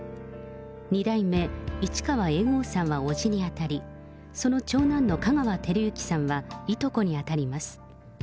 二代目市川猿翁さんは伯父に当たり、その長男の香川照之さんはいとこに当たります。